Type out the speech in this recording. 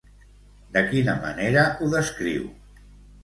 De quina manera ho descriu?